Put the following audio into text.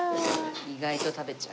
意外と食べちゃう。